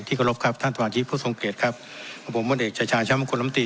ที่กระลบครับท่านสมาชิกผู้ทรงเกตครับของผมบนเอกชายชาญชั้นมงคลมตรี